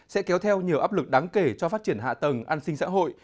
sẽ kéo theo nhiều áp lực đáng kể cho phát triển hạ tầng an sinh xã hội